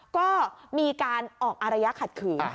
ก็มีการออกอารยะขัดขืน